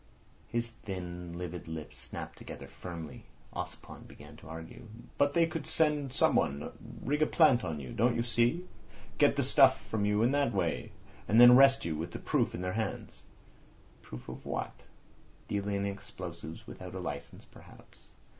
His thin livid lips snapped together firmly. Ossipon began to argue. "But they could send someone—rig a plant on you. Don't you see? Get the stuff from you in that way, and then arrest you with the proof in their hands." "Proof of what? Dealing in explosives without a licence perhaps."